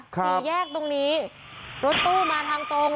สี่แยกตรงนี้รถตู้มาทางตรง